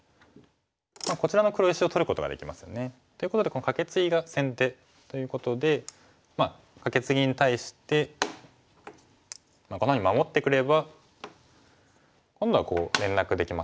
こちらの黒石を取ることができますよね。ということでこのカケツギが先手ということでカケツギに対してこのように守ってくれば今度は連絡できますからね。